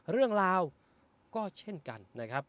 เรื่องราวก็เช่นกันนะครับ